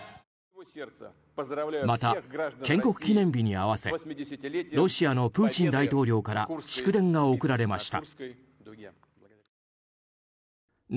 また建国記念日に合わせロシアのプーチン大統領から祝電が送られました。